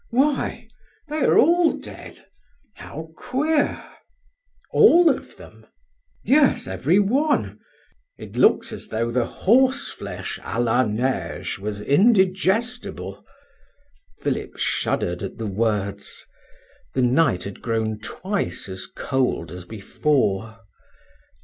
"Why, they are all dead! how queer!" "All of them?" "Yes, every one. It looks as though the horseflesh a la neige was indigestible." Philip shuddered at the words. The night had grown twice as cold as before.